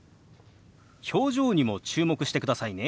表情にも注目してくださいね。